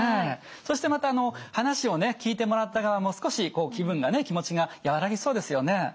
そしてまた話を聞いてもらった側も少しこう気分がね気持ちが和らぎそうですよね。